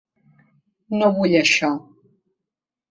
No vull això.